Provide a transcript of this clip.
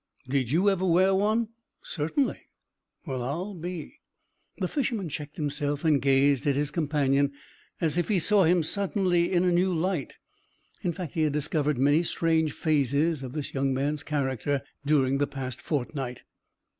"Did you ever wear one?" "Certainly." "Well, I'll be " The fisherman checked himself and gazed at his companion as if he saw him suddenly in a new light; in fact, he had discovered many strange phases of this young man's character during the past fortnight.